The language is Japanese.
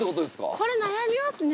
これ悩みますね。